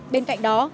bên cạnh đó